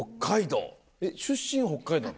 出身北海道なの？